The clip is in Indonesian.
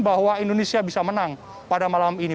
bahwa indonesia bisa menang pada malam ini